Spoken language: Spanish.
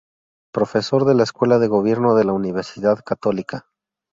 Profesor de la Escuela de Gobierno de la Universidad Católica.